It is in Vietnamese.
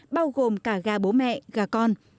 bao gồm cả gà bố mẹ gà con